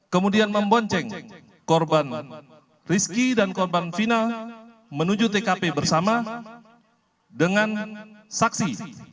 kemudian membonceng korban rizki dan korban final menuju tkp bersama dengan saksi